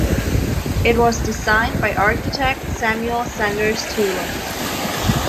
It was designed by architect, Samuel Sanders Teulon.